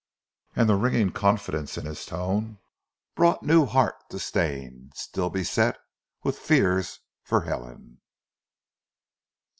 And the ringing confidence in his tone brought new heart to Stane, still beset with fears for Helen.